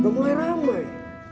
udah mulai ramai